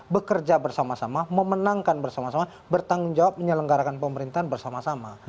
bekerja bersama sama memenangkan bersama sama bertanggung jawab menyelenggarakan pemerintahan bersama sama